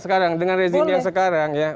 sekarang dengan rezim yang sekarang ya